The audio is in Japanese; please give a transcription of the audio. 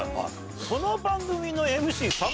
その番組のＭＣ。